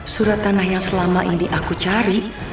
surat tanah yang aku cari